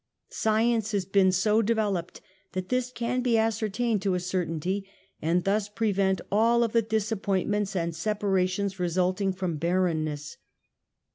Science has been so developed that this can be ascertained to a certainty, and thus prevent all of the disappoint ments and separations resulting from barrenness.